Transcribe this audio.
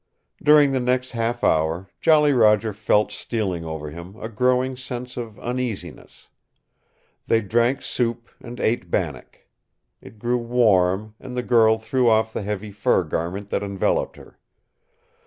During the next half hour Jolly Roger felt stealing over him a growing sense of uneasiness. They drank soup and ate bannock. It grew warm, and the girl threw off the heavy fur garment that enveloped her.